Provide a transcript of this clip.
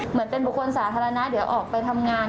เหมือนเป็นบุคคลสาธารณะเดี๋ยวออกไปทำงาน